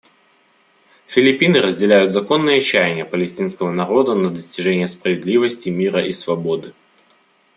Филиппины разделяют законные чаяния палестинского народа на достижение справедливости, мира и свободы.